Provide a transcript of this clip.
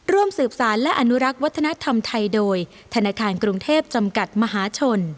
ร่วมสืบสารและอนุรักษ์วัฒนธรรมไทยโดยธนาคารกรุงเทพจำกัดมหาชน